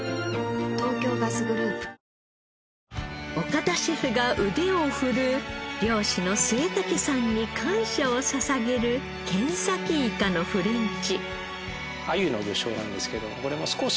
東京ガスグループ岡田シェフが腕をふるう漁師の末竹さんに感謝を捧げるケンサキイカのフレンチ。